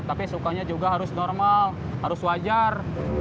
tapi sukanya juga harus normal harus wajar